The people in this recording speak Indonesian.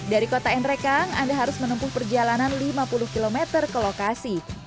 dari kota nrekang anda harus menempuh perjalanan lima puluh km ke lokasi